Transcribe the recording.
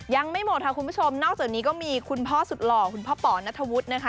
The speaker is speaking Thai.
ยังไม่หมดค่ะคุณผู้ชมนอกจากนี้ก็มีคุณพ่อสุดหล่อคุณพ่อป๋อนัทธวุฒินะคะ